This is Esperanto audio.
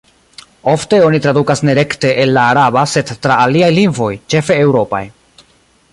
Ofte oni tradukas ne rekte el la araba, sed tra aliaj lingvoj, ĉefe eŭropaj.